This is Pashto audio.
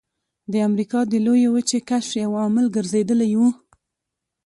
د امریکا د لویې وچې کشف یو عامل ګرځېدلی و.